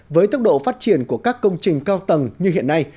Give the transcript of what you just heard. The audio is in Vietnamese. với tốc độ phát triển của các công trình cao tầng như hiện nay